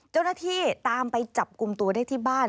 เจ้าหน้าที่ตามไปจับกลุ่มตัวได้ที่บ้าน